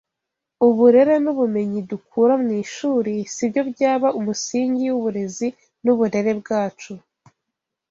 Uburere n’ubumenyi dukura mu ishuri si byo byaba umusingi w’uburezi n’uburere byacu